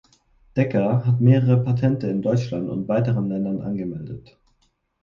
Decker hat mehrere Patente in Deutschland und weiteren Ländern angemeldet.